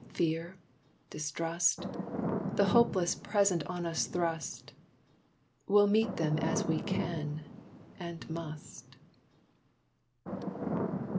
Fear distrust The hopeless present on us thrust We'll meet them as we can, and must.